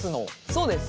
そうです。